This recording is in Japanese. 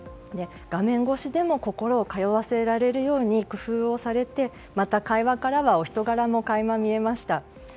画面越しでも心を通わせられるように工夫をされてまた会話からはお人柄も垣間見えました。